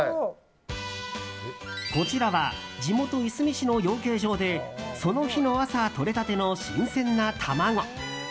こちらは地元・いすみ市の養鶏場でその日の朝、とれたての新鮮な卵。